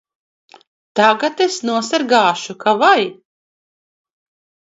Tagad es nosargāšu ka vai!